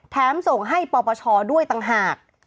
ส่งให้ปปชด้วยต่างหาก